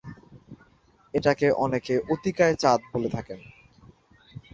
এটাকে অনেকে অতিকায় চাঁদ বলে থাকেন।